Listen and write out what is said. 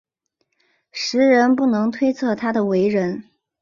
时人不能推测他的为人。